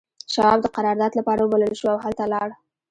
شواب د قرارداد لپاره وبلل شو او هلته لاړ